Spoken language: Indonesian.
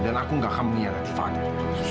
dan aku gak akan mengianati fadil